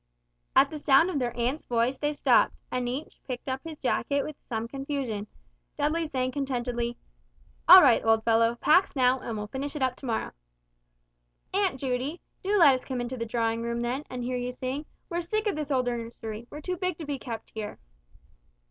At the sound of their aunt's voice they stopped; and each picked up his jacket with some confusion, Dudley saying contentedly, "All right, old fellow, pax now, and we'll finish it up to morrow." "Aunt Judy, do let us come into the drawing room then, and hear you sing; we're sick of this old nursery, we're too big to be kept here."